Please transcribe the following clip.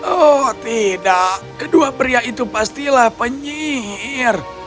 oh tidak kedua pria itu pastilah penyihir